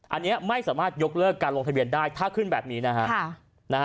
อันนี้ไม่สามารถยกเลิกการลงทะเบียนได้ถ้าขึ้นแบบนี้นะฮะ